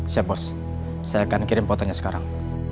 saya bos saya akan kirim fotonya sekarang